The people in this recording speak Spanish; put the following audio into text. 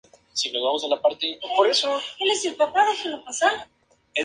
Otras palabras para describirla son inflada, aburrida, gratuita y-especialmente-descontrolada.